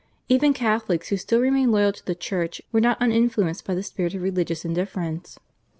Even Catholics who still remained loyal to the Church were not uninfluenced by the spirit of religious indifference.